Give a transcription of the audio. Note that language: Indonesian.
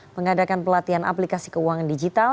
mengadakan pelatihan aplikasi keuangan digital